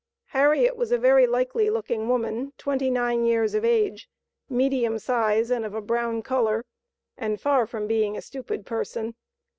Harriet was a very likely looking woman, twenty nine years of age, medium size, and of a brown color, and far from being a stupid person.